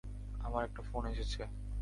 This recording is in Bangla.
আমার একটা ফোন এসেছে।